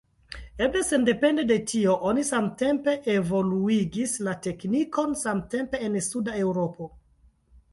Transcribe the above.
Eble sendepende de tio oni samtempe evoluigis la teknikon samtempe en suda Eŭropo.